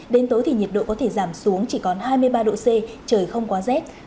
đến tối thì nhiệt độ có thể giảm xuống chỉ còn hai mươi ba độ c trời không quá rét